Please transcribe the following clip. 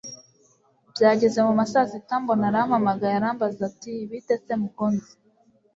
byageze mu ma saa sita mbona arampamagaye arambaza ati bite se mukunzi